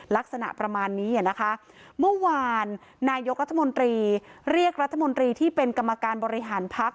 ลักษณะประมาณนี้นะคะเมื่อวานนายกรัฐมนตรีเรียกรัฐมนตรีที่เป็นกรรมการบริหารพัก